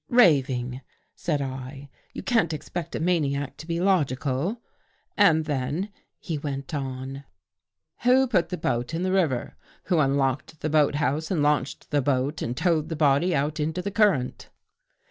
'' Raving," said I. " You can't expect a maniac to be logical." " And then," he went on, " who put the boat in i8o DOCTOR CROW FORGETS the river? Who unlocked the boathouse and launched the boat and towed the body out into the current?